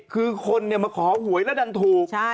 คือคนมาขอหวยแล้วดันถูก